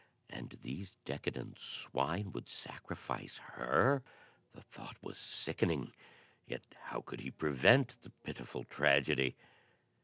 "And these decadent swine would sacrifice her!" The thought was sickening. Yet how could he prevent the pitiful tragedy?